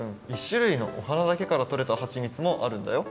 １しゅるいのお花だけからとれたはちみつもあるんだよ。